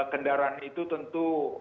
kendaraan itu tentu